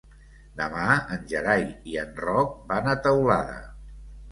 Demà en Gerai i en Roc van a Teulada.